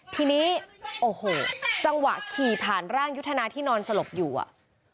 ทีนี้โอ้โหจังหวะขี่ผ่านร่างยุทธนาที่นอนสลบอยู่อ่ะ